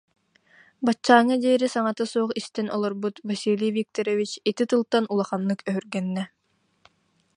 Баччааҥҥа диэри саҥата суох истэн олорбут Василий Викторович ити тылтан улаханнык өһүргэннэ: